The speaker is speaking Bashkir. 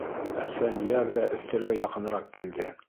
Әсфәндиәр ҙә өҫтәлгә яҡыныраҡ килде.